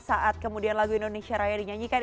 saat kemudian lagu indonesia raya dinyanyikan